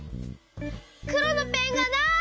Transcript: くろのペンがない！